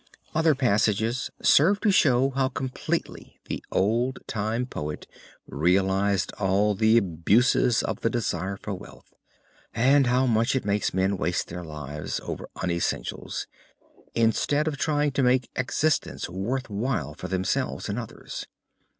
Other passages serve to show how completely the old time poet realized all the abuses of the desire for wealth, and how much it makes men waste their lives over unessentials, instead of trying to make existence worth while for themselves and others.